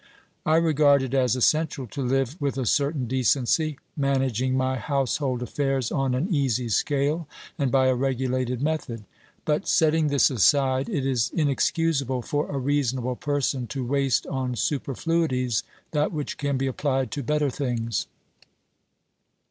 I regard it as essential to live with a certain decency, managing my household affairs on an easy scale and by a regulated method. But setting this aside, it is inexcusable for a reasonable person to waste on superfluities that which can be applied to better things.